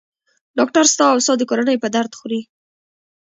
ډاکټر ستا او ستا د کورنۍ په درد خوري.